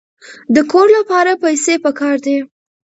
د کور لپاره پیسې پکار دي.